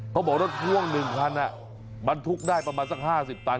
เขาบอกว่าถ้วง๑คันมันทุกข์ได้ประมาณสัก๕๐ตัน